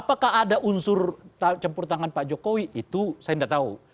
apakah ada unsur campur tangan pak jokowi itu saya tidak tahu